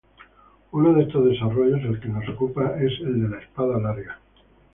Uno de estos desarrollos -el que nos ocupa- es el de la espada larga.